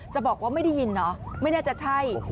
จะบอกว่าไม่ได้ยินเหรอไม่น่าจะใช่